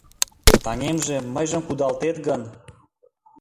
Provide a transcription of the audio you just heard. Таҥемже, мыйжым кудалтет гын